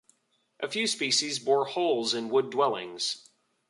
A few species bore holes in wood dwellings.